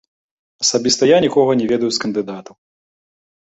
Асабіста я нікога не ведаю з кандыдатаў.